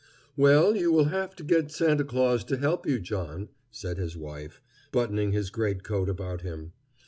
"Well, you will have to get Santa Claus to help you, John," said his wife, buttoning his greatcoat about him.